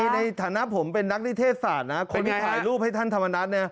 ในฐานะผมเป็นนักนิเทศศาสตร์นะคนที่ถ่ายรูปให้ท่านธรรมนัฐ